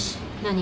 何？